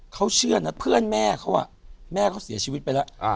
เขาเชื่อนะเพื่อนแม่เขาแม่เขาเสียชีวิตไปแล้ว